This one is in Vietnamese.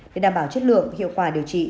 để đảm bảo chất lượng hiệu quả điều trị